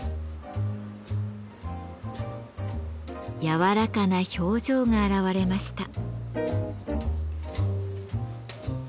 柔らかな表情が現れました。